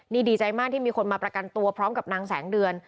นี่ดีใจมากที่มีคนมาประกันตัวพร้อมกับนางแสงเดือน